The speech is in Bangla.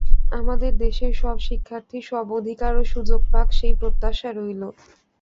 আমাদের দেশের সব শিক্ষার্থী সব অধিকার ও সুযোগ পাক সেই প্রত্যাশা রইল।